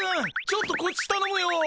ちょっとこっちたのむよ！